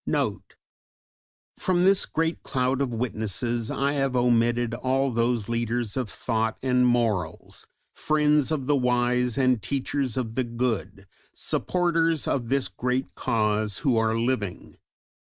NOTE From this great cloud of witnesses I have omitted all those leaders of thought and morals, "friends of the wise and teachers of the good" supporters of this great cause who are living.